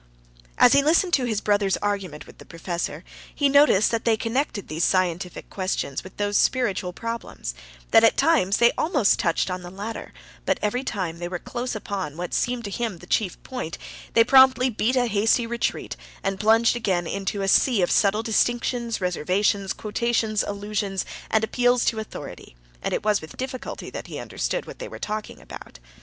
As he listened to his brother's argument with the professor, he noticed that they connected these scientific questions with those spiritual problems, that at times they almost touched on the latter; but every time they were close upon what seemed to him the chief point, they promptly beat a hasty retreat, and plunged again into a sea of subtle distinctions, reservations, quotations, allusions, and appeals to authorities, and it was with difficulty that he understood what they were talking about.